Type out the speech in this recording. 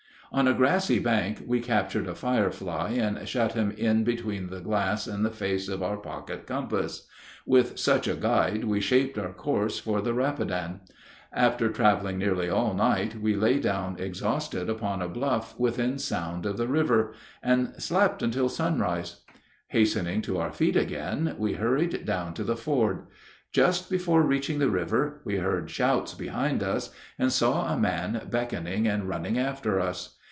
On a grassy bank we captured a firefly and shut him in between the glass and the face of our pocket compass. With such a guide we shaped our course for the Rapidan. After traveling nearly all night we lay down exhausted upon a bluff within sound of the river, and slept until sunrise. Hastening to our feet again, we hurried down to the ford. Just before reaching the river we heard shouts behind us, and saw a man beckoning and running after us.